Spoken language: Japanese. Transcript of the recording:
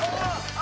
あ！